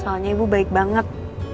soalnya ibu baik banget